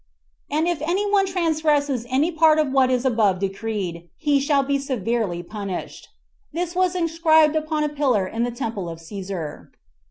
And if any one transgress any part of what is above decreed, he shall be severely punished." This was inscribed upon a pillar in the temple of Cæsar.